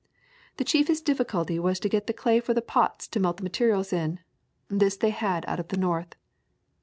The chiefest difficulty was to get the clay for the pots to melt the materials in; this they had out of the north."